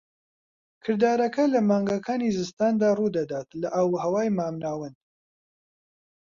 کردارەکە لە مانگەکانی زستاندا ڕوودەدات لە ئاوهەوای مامناوەند.